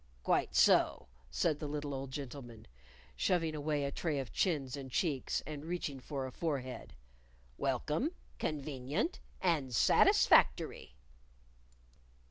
"Quite so," said the little old gentleman, shoving away a tray of chins and cheeks and reaching for a forehead. "Welcome, convenient, and satisfactory."